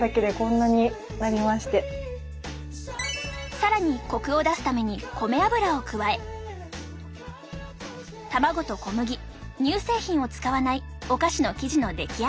更にコクを出すために米油を加え卵と小麦乳製品を使わないお菓子の生地の出来上がり。